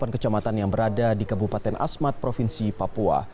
delapan kecamatan yang berada di kabupaten asmat provinsi papua